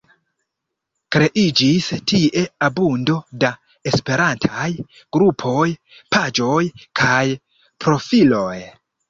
Kreiĝis tie abundo da Esperantaj grupoj, paĝoj kaj profiloj.